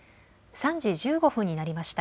３時１５分になりました。